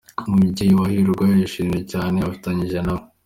Umubyeyi wa Hirwa yashimiye cyane abifatanyije nabo.